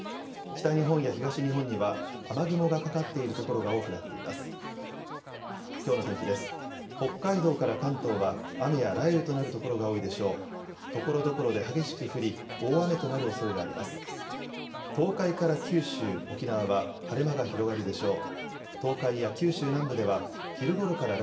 北海道から関東は雨や雷雨となる所が多いでしょう。